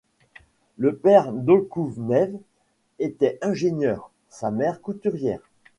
Le père d'Okounev était ingénieur, sa mère couturière.